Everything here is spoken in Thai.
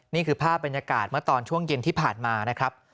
นี่คือภาพบรรยากาศเมื่อตอนช่วงเย็นที่ผ่านมานะครับ